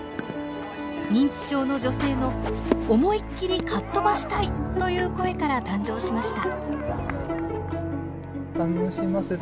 認知症の女性の「思いっきりかっとばしたい」という声から誕生しました。